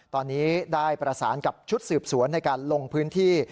ตอนนี้ได้ประสานกับชุดสืบสวนในการลงพื้นที่